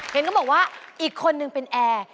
เห็นก็บอกว่าอีกคนนึงเป็นแอร์